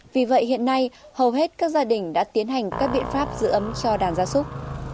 vì vậy hiện nay hầu hết các gia đình đã tiến hành các biện pháp giữ ấm cho đàn gia súc